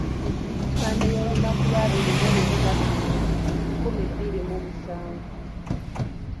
Ssande y’olunaku lwa abiri mu lumu Gatonnya, nkumi bbiri mu musanvu.